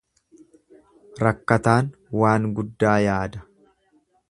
Rakkataan waan guddaa yaada.